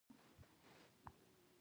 پوه شوم چې سنایپر مې ولي او ژر پټ شوم